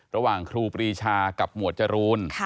ระหว่างครูปรีชากับหมวดจรูน